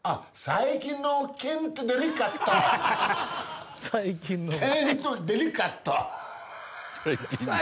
最近のケント・デリカット。